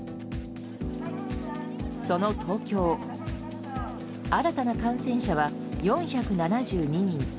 その東京新たな感染者は４７２人。